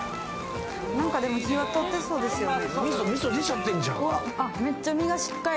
でも火は通ってそうですよね。